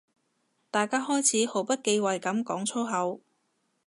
大家開始毫不忌諱噉講粗口